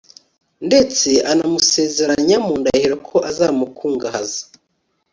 ndetse anamusezeranya mu ndahiro ko azamukungahaza